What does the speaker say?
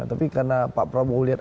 tapi karena pak prabowo lihat